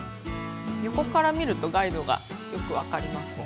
横から見るとガイドがよく分かりますね。